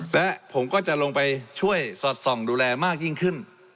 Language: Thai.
และผมก็จะลงไปช่วยสอดส่องดูแลมากยิ่งขึ้น